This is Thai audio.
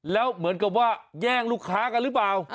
แล้วเหมือนกับว่าแย่งลูกค้ากันหรือเปล่า